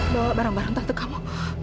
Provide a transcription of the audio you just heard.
bawa barang barang tante kamu